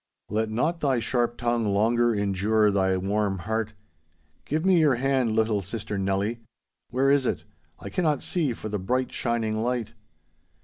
Let not thy sharp tongue longer injure thy warm heart. Give me your hand, little sister Nelly. Where is it? I cannot see—for the bright shining light.